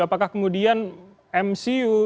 apakah kemudian mcu